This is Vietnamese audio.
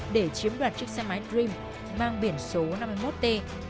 để chiếm đoạt chiếc xe máy dream mang biển số năm mươi một t tám mươi nghìn sáu trăm hai mươi ba